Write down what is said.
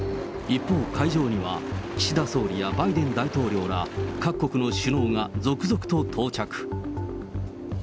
一方、会場には岸田総理やバイデン大統領ら、各国の首脳が続々と到着。